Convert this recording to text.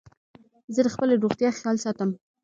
زه د خپلي روغتیا خیال ساتم.